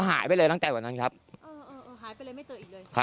หายไปเลยตั้งแต่วันนั้นครับหายไปเลยไม่เจออีกเลยครับ